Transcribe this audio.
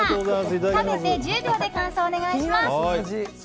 食べて１０秒で感想をお願いします。